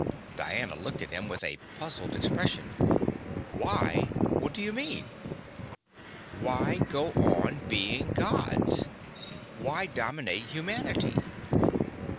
Diana looked at him with a puzzled expression. "Why? What do you mean?" "Why go on being Gods? Why dominate humanity?"